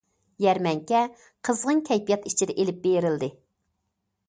يەرمەنكە قىزغىن كەيپىيات ئىچىدە ئېلىپ بېرىلدى.